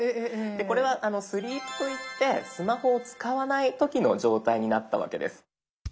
これは「スリープ」といってスマホを使わない時の状態になったわけです。